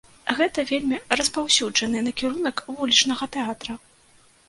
Гэта вельмі распаўсюджаны накірунак вулічнага тэатра.